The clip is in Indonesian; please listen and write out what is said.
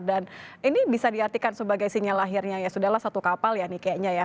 dan ini bisa diartikan sebagai sinyal lahirnya ya sudah lah satu kapal ya nih kayaknya ya